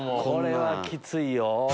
これはきついよ。